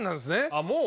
あっもう？